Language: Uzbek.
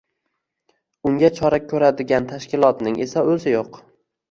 Unga chora ko‘radigan tashkilotning esa o‘zi yo‘q